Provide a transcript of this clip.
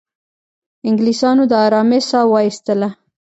انګلیسیانو د آرامۍ ساه وایستله.